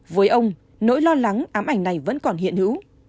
với ông nỗi lo lắng ám ảnh này vẫn còn hiện hữu